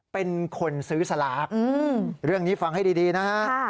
เป็นคนซื้อสลากเรื่องนี้ฟังให้ดีนะฮะ